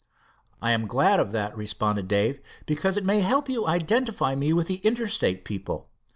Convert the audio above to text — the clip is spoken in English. "I am glad of that," responded Dave, "because it may help you identify me with the Inter state people.